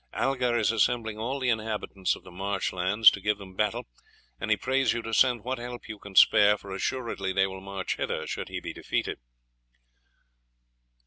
Algar is assembling all the inhabitants of the marsh lands to give them battle, and he prays you to send what help you can spare, for assuredly they will march hither should he be defeated."